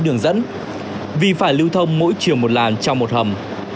đường dẫn vì phải lưu thông mỗi chiều một làn trong một hầm